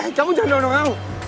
jangan jalan jalan sama aku